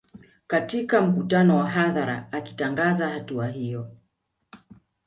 Katika mkutano wa hadhara akitangaza hatua hiyo